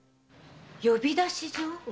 呼び出し状？